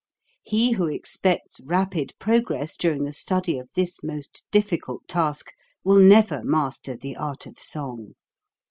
He who expects rapid progress during the study of this most difficult task will never master the art of song.